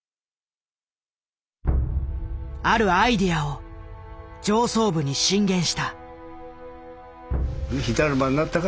あるアイデアを上層部に進言した。